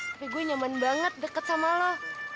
tapi gue nyaman banget deket sama lo